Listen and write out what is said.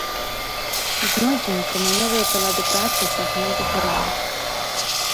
Знойдзены крамянёвыя прылады працы і фрагменты керамікі.